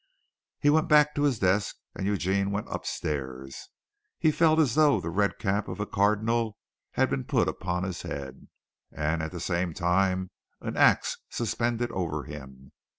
He went back to his desk and Eugene went upstairs. He felt as though the red cap of a cardinal had been put upon his head, and at the same time an axe suspended over him.